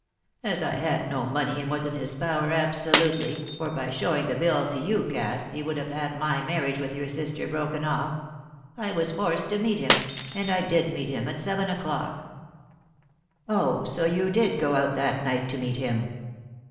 As I had no money, and was in his power absolutely for by shewing the bill to you, Cass, he could have had my marriage with your sister broken off I was forced to meet him, and I did meet him at seven o'clock." "Oh! so you did go out that night to meet him!"